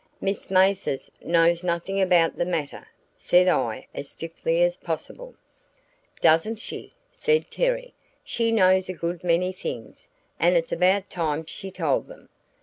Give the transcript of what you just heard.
"Miss Mathers knows nothing about the matter," said I as stiffly as possible. "Doesn't she!" said Terry. "She knows a good many things, and it's about time she told them.